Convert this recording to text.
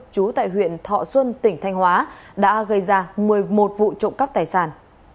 chú tại huyện thọ xuân tỉnh thanh hóa đã gây ra một mươi một vụ trộm cắp tài sản